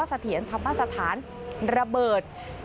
สาะเสียงทำให้สถานระเบิด